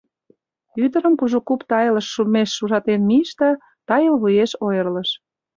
Ӱдырым Кужу куп тайылыш шумеш ужатен мийыш да, тайыл вуеш ойырлыш: